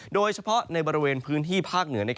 โดยเฉพาะในบริเวณพื้นที่ภาคเหนือ